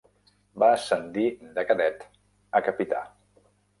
Va ascendir de cadet a capità.